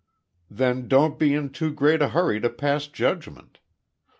"Then don't be in too great a hurry to pass judgment.